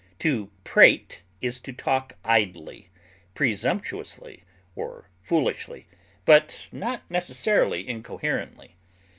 To prate is to talk idly, presumptuously, or foolishly, but not necessarily incoherently.